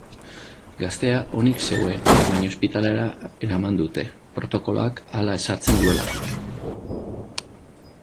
Gaztea onik zegoen, baina ospitalera eraman dute, protokoloak hala ezartzen duelako.